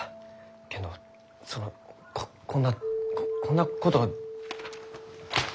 けんどそのこんなこんなこと。